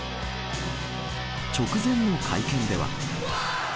直前の会見では。